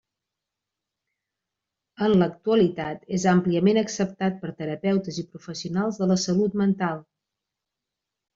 En l'actualitat, és àmpliament acceptat per terapeutes i professionals de la salut mental.